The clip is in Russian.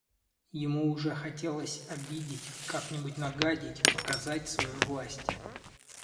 Ему уже хотелось обидеть, как-нибудь нагадить, показать свою власть.